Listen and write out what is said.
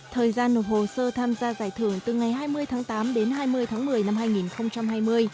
thời gian nộp hồ sơ tham gia giải thưởng từ ngày hai mươi tháng tám đến hai mươi tháng một mươi năm hai nghìn hai mươi